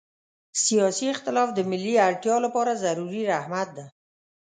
سیاسي اختلاف د ملي اړتیا لپاره ضروري رحمت ده.